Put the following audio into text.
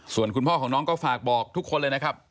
ส่วนคุณพ่อของน้องก็ฝากบอกทุกคนเลยนะครับ